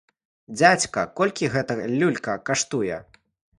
Дзядзька, колькі гэта люлька каштуе?